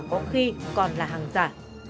theo quy định có khi còn là hàng giả